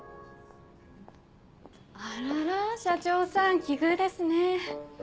あらら社長さん奇遇ですね。